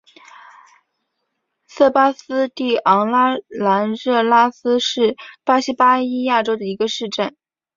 塞巴斯蒂昂拉兰热拉斯是巴西巴伊亚州的一个市镇。